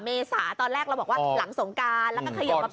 คุณผู้ชมครับคุณผู้ชมครับคุณผู้ชมครับ